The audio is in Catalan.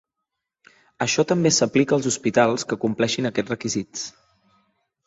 Això també s'aplica als hospitals que compleixin aquests requisits.